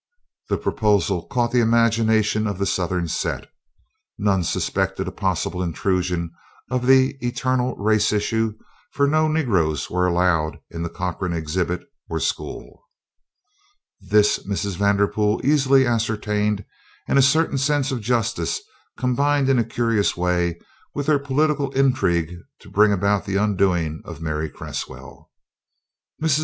The proposal caught the imagination of the Southern set. None suspected a possible intrusion of the eternal race issue for no Negroes were allowed in the Corcoran exhibit or school. This Mrs. Vanderpool easily ascertained and a certain sense of justice combined in a curious way with her political intrigue to bring about the undoing of Mary Cresswell. Mrs.